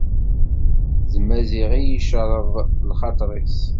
D Maziɣ i d-yecreḍ lxaṭer-is.